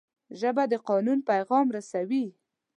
ژبه د قانون پیغام رسوي